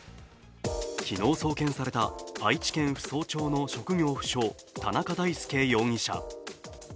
昨日送検された愛知県扶桑町の職業不詳、田中大介容疑者。